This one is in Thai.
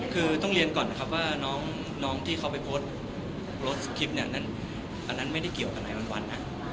คือต้องเรียนก่อนนะครับว่าน้องที่เขาไปโพสต์โพสต์คลิปเนี่ยอันนั้นไม่ได้เกี่ยวกับนายวันนะ